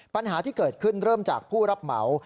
ปัญหาที่เกิดขึ้นเริ่มจากผู้รับเหมา